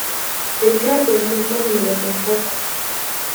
El cráter muestra numerosas capas.